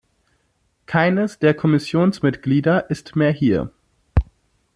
Keines der Kommissionsmitglieder ist mehr hier.